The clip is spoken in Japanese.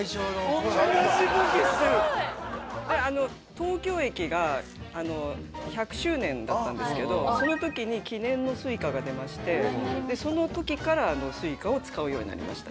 東京駅が１００周年だったんですけどその時に記念のＳｕｉｃａが出ましてその時からＳｕｉｃａを使うようになりましたね。